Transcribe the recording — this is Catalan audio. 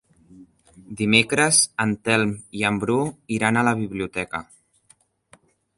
Dimecres en Telm i en Bru iran a la biblioteca.